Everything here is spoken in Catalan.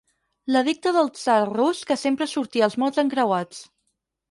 L'edicte del tsar rus que sempre sortia als mots encreuats.